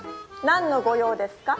なんのご用ですか？